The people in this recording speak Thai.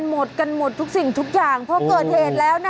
หมดกันหมดทุกสิ่งทุกอย่างพอเกิดเหตุแล้วนะ